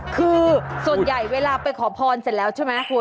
คือส่วนใหญ่เวลาไปขอพรเสร็จแล้วใช่ไหมคุณ